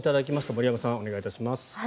森山さん、お願いします。